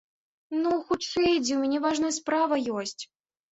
Ну, хутчэй ідзі, у мяне важная справа ёсць!